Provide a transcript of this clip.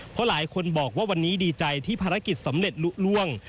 เพราะหลายคนบอกว่าวันนี้ดีใจที่ภารกิจสำเร็จลุล่วง